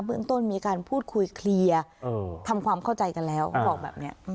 เรื่องต้นมีการพูดคุยเคลียร์ทำความเข้าใจกันแล้วเขาบอกแบบนี้